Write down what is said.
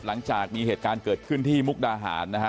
หลังจากมีเหตุการณ์เกิดขึ้นที่มุกดาหารนะฮะ